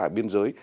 ở biên giới